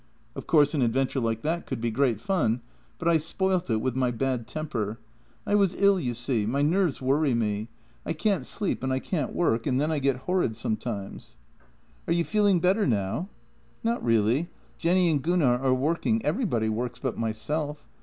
" Of course, an adventure like that could be great fun, but I spoilt it with my bad temper. I was ill, you see. My nerves worry me; I can't sleep and I can't work, and then I get horrid sometimes." " Are you feeling better now? " "Not really. Jenny and Gunnar are working — everybody works but myself.